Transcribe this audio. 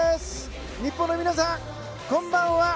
日本の皆さん、こんばんは！